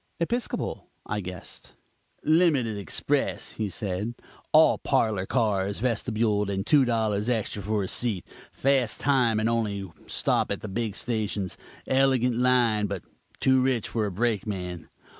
"Episcopal?" I guessed. "Limited express!" he said, "all parlor cars, vestibuled, and two dollars extra for a seat; fast time, and only stop at the big stations. Elegant line, but too rich for a brakeman.